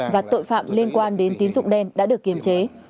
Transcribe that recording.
và tội phạm liên quan đến tín dụng đen đã được kiềm chế